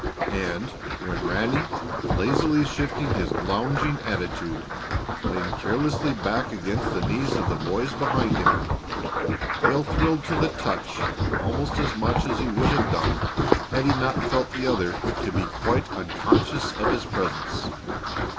And when Ranny, lazily shifting his lounging attitude, leaned carelessly back against the knees of the boy behind him, Dale thrilled to the touch almost as much as he would have done had he not felt the other to be quite unconscious of his presence.